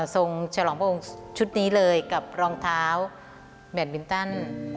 ฉลองพระองค์ชุดนี้เลยกับรองเท้าแบตมินตัน